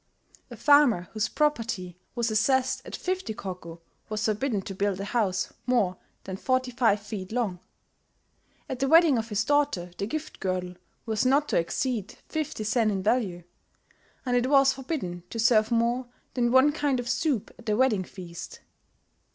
... A farmer whose, property was assessed at 50 koku was forbidden to build a house more than 45 feet long. At the wedding of his daughter the gift girdle was not to exceed 50 sen in value; and it was forbidden to serve more than one kind of soup at the wedding feast....